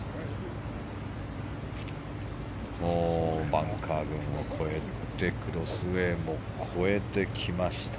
バンカー群を越えてクロスウェーも越えてきました。